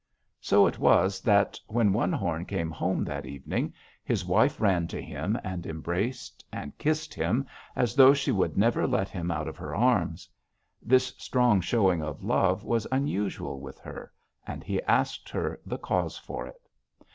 "So it was that, when One Horn came home that evening, this wife ran to him and embraced and kissed him as though she would never let him out of her arms. This strong showing of love was unusual with her, and he asked her the cause for it.